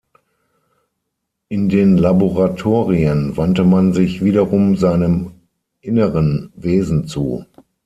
In den Laboratorien wandte man sich wiederum seinem inneren Wesen zu.